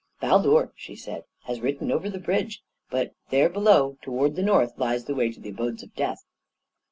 "Baldur," she said, "has ridden over the bridge; but there below, towards the north, lies the way to the Abodes of Death."